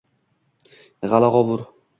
G‘ala-g‘ovur.